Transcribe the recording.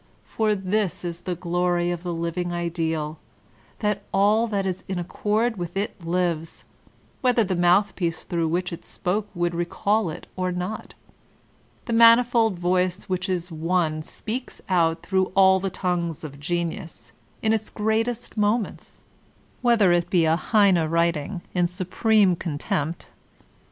For this is the glory of the living ideal, that all that is in accord with it lives, whether the mouthpiece through which it spoke would recall it or not. The manifold voice which is one speaks out through all the tongues of genius in its greatest moments, whether it be a Heine writing, in supreme contempt.